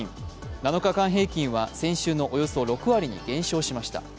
７日間平均は先週のおよそ６割に減少しました。